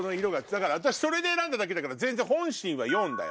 だから私それで選んだだけだから全然本心は４だよ。